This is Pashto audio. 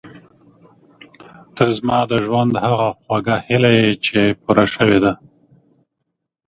ته زما د ژوند هغه خوږه هیله یې چې پوره شوې ده.